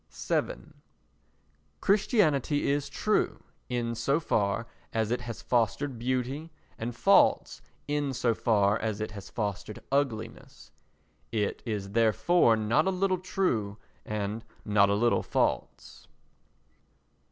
vii Christianity is true in so far as it has fostered beauty and false in so far as it has fostered ugliness. It is therefore not a little true and not a little false.